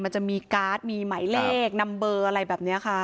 มันจะมีการ์ดมีหมายเลขนำเบอร์อะไรแบบนี้ค่ะ